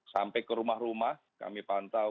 sampai ke rumah rumah kami pantau